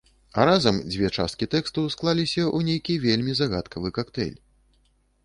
А разам дзве часткі тэксту склаліся ў нейкі вельмі загадкавы кактэйль.